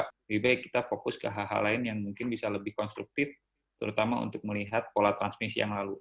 lebih baik kita fokus ke hal hal lain yang mungkin bisa lebih konstruktif terutama untuk melihat pola transmisi yang lalu